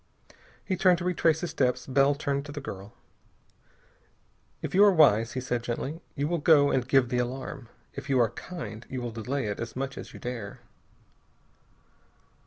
He turned to retrace his steps. Bell turned to the girl. "If you are wise," he said gently, "you will go and give the alarm. If you are kind, you will delay it as much as you dare."